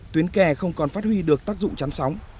tuyến kè không còn phát huy được tác dụng chắn sóng